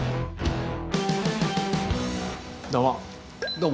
どうも。